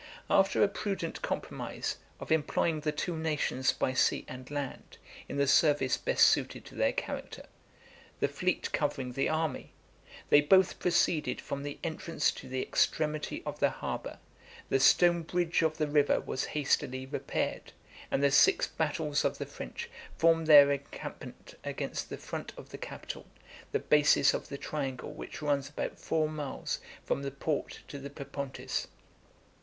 After a prudent compromise, of employing the two nations by sea and land, in the service best suited to their character, the fleet covering the army, they both proceeded from the entrance to the extremity of the harbor: the stone bridge of the river was hastily repaired; and the six battles of the French formed their encampment against the front of the capital, the basis of the triangle which runs about four miles from the port to the Propontis.